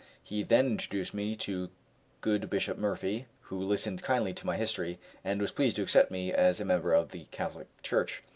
He then introduced me to good Bishop Murphy, who listened kindly to my history, and was pleased to accept me as a member of the Catholic Church.